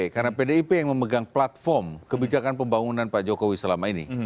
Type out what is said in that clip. karena pdip yang memegang platform kebijakan pembangunan pak jokowi selama ini